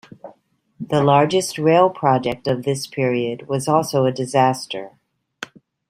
The largest rail project of this period was also a disaster.